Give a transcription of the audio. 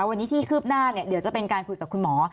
วันนี้ที่คืบหน้าเดี๋ยวจะเป็นการคุยกับคุณหมอ